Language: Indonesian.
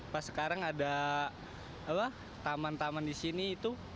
pas sekarang ada taman taman di sini itu